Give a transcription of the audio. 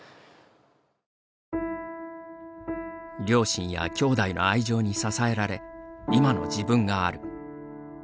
両親やきょうだいの愛情に支えられ、今の自分がある。